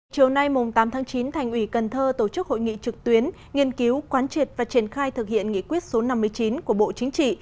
chiều nay tám tháng chín thành ủy cần thơ tổ chức hội nghị trực tuyến nghiên cứu quán triệt và triển khai thực hiện nghị quyết số năm mươi chín của bộ chính trị